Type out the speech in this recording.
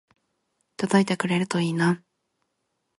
届いてくれるといいな